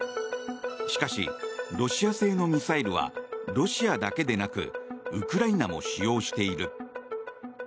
しかし、ロシア製のミサイルはロシアだけでなくウクライナも使用している。